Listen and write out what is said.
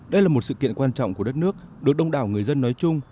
đây là một sự kiện quan trọng của đất nước được đông đảo người dân nói chung